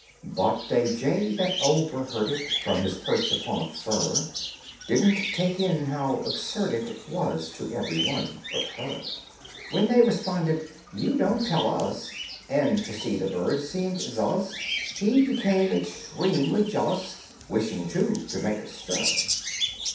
But a jay that overheard it From his perch upon a fir Didn't take in how absurd it Was to every one but her; When they answered, "You don't tell us!" And to see the birds seemed zealous He became extremely jealous, Wishing, too, to make a stir.